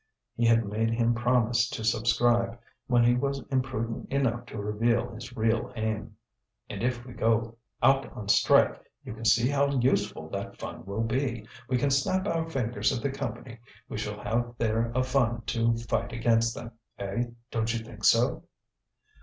He had made him promise to subscribe, when he was imprudent enough to reveal his real aim. "And if we go out on strike you can see how useful that fund will be. We can snap our fingers at the Company, we shall have there a fund to fight against them. Eh? don't you think so?"